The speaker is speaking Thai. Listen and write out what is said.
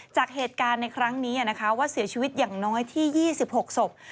จากเหตุการณ์ในครั้งนี้นะคะว่าเสียชีวิตอย่างน้อยที่๒๖ศพ